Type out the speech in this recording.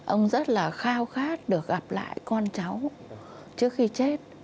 ông rất là khao khát được gặp lại con cháu trước khi chết